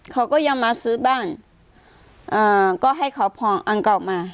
เขาก็ยังมาซื้อบ้างเอ่อก็ให้เขาพองอังเก่ามา